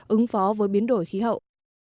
ứng phó với biến đổi khí hậu